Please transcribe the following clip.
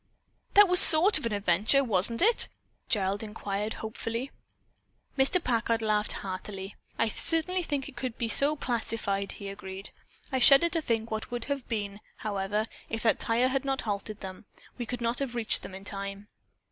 "That was sort of an adventure, wasn't it?" Gerald inquired hopefully. Mr. Packard laughed heartily. "I certainly think it could be so classified," he agreed. "I shudder to think what it would have been, however, if that tire had not halted them. We could not have reached them in time."